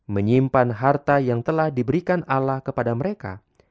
menyimpan harta yang telah diberikan ala kepada mereka